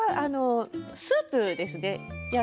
スープですね。